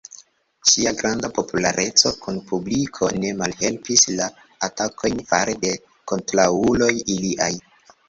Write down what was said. Ŝia granda populareco kun publiko ne malhelpis la atakojn fare de kontraŭuloj iliaj.